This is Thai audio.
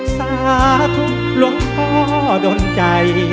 สาธุหลวงพ่อดนใจ